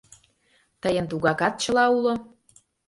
Тыйын тугакат чыла уло?..